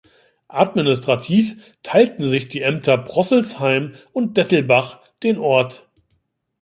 Administrativ teilten sich die Ämter Prosselsheim und Dettelbach den Ort.